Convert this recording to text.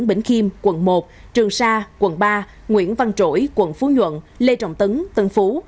bình khiêm quận một trường sa quận ba nguyễn văn trỗi quận phú nhuận lê trọng tấn tân phú